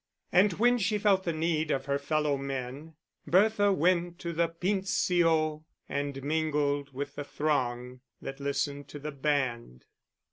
And when she felt the need of her fellow men, Bertha went to the Pincio and mingled with the throng that listened to the band.